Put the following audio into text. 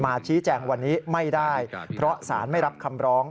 ชี้แจงวันนี้ไม่ได้เพราะสารไม่รับคำร้อง